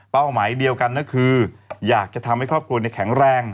เป้าหมายเดียวกันนะคืออยากจะทำให้ครอบครัวเนี่ยแข็งแรง